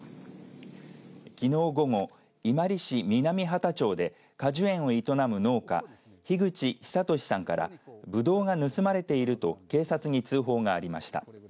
きのう午後、伊万里市南波多町で果樹園を営む農家樋口久俊さんからぶどうが盗まれていると警察に通報がありました。